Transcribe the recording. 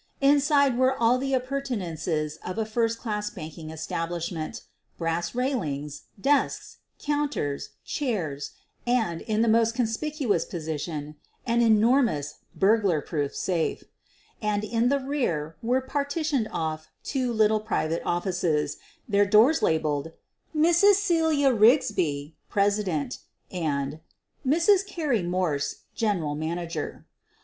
Inside were all the appurtenances of a first clas6 banking establishment — brass railings, desks, coun * ters, chairs, and, in the most conspicuous position, an enormous "burglar proof" safe. In the rear were partitioned off two little private offices, their QUEEN OF THE BURGLARS 95 doors labeled "Mrs. Celia Rigsby, President,' ' and "Mrs. Carrie Morse, General Manager."